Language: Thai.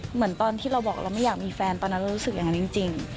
เหมือนตอนที่เราบอกเราไม่อยากมีแฟนตอนนั้นเรารู้สึกอย่างนั้นจริง